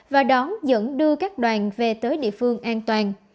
và đón dẫn đưa các đoàn về tới địa phương an toàn